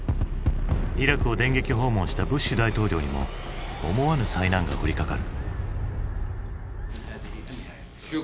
イラクを電撃訪問したブッシュ大統領にも思わぬ災難が降りかかる。